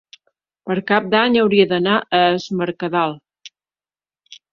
Per Cap d'Any hauria d'anar a Es Mercadal.